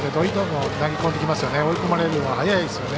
追い込まれるのが早いですよね。